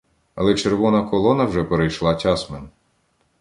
Але червона колона вже перейшла Тясмин.